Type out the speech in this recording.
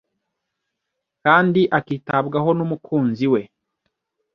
kandi akitabwaho n’umukunzi we